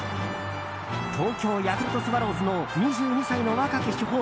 東京ヤクルトスワローズの２２歳の若き主砲